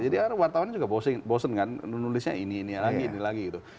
jadi wartawannya juga bosen kan nulisnya ini ini lagi ini lagi gitu